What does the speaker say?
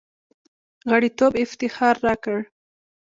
غړیتوب افتخار راکړ.